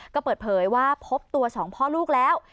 ก็เปิดเผยว่าพบตัวสองพ่อลูกแล้ว